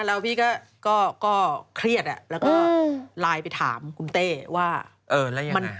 แล้วพี่ก็เครียดอะแล้วก็ไลน์ไปถามคุณเต้ว่าเออแล้วยังไง